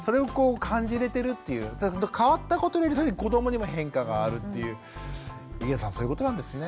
変わったことによって子どもにも変化があるっていう井桁さんそういうことなんですね。